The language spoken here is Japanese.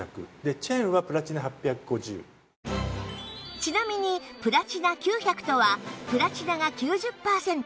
ちなみにプラチナ９００とはプラチナが９０パーセント